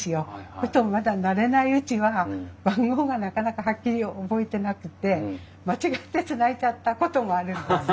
そうするとまだ慣れないうちは番号がなかなかはっきり覚えてなくて間違ってつないじゃったこともあるんです。